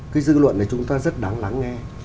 cái dư luận này chúng ta rất đáng lắng nghe